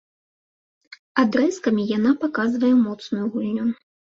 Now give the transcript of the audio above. Адрэзкамі яна паказвае моцную гульню.